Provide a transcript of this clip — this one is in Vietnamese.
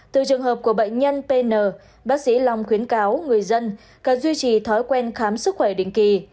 từ trường hợp của bệnh nhân pn bác sĩ long khuyến cáo người dân cần duy trì thói quen khám sức khỏe định kỳ